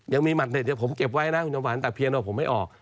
หมัดเด็ดเดี๋ยวผมเก็บไว้นะคุณจำฝันแต่เพียงว่าผมไม่ออก